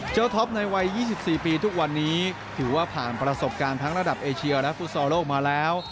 ท็อปในวัย๒๔ปีทุกวันนี้ถือว่าผ่านประสบการณ์ทั้งระดับเอเชียและฟุตซอลโลกมาแล้ว